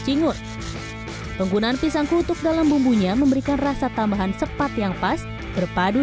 cingur penggunaan pisang kutuk dalam bumbunya memberikan rasa tambahan sepat yang pas berpadu